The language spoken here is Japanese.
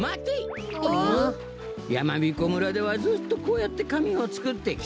やまびこ村ではずっとこうやってかみをつくってきた。